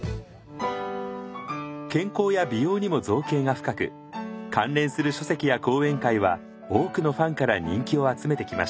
健康や美容にも造詣が深く関連する書籍や講演会は多くのファンから人気を集めてきました。